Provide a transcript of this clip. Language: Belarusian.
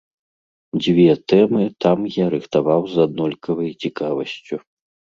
Дзве тэмы там я рыхтаваў з аднолькавай цікавасцю.